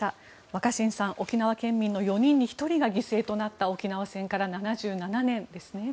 若新さん沖縄県民の４人に１人が犠牲となった沖縄戦から７７年ですね。